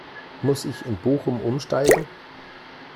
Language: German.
Muss ich in Bochum umsteigen?